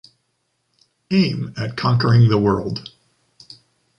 Aim at conquering the world.